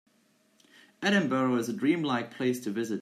Edinburgh is a dream-like place to visit.